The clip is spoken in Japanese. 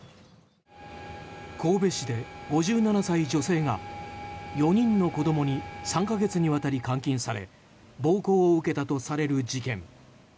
神戸市で５７歳女性が４人の子供に３か月にわたり監禁され暴行を受けたとされる事件。